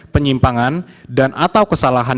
penyimpangan dan atau kesalahan